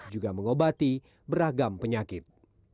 juga mengobati beragam penyakit